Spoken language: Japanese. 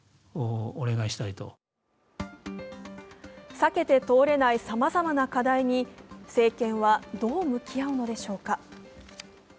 避けて通れないさまざまな課題に、政権はどう向き合うのでしょうか。